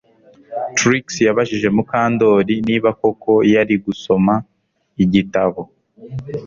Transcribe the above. Trix yabajije Mukandoli niba koko yari gusoma igitabo